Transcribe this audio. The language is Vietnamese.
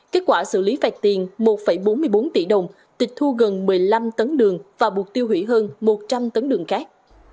kết quả xử lý phạt tiền một bốn mươi bốn tỷ đồng tịch thu gần một mươi năm tấn đường và buộc tiêu hủy hơn một trăm linh tấn đường cát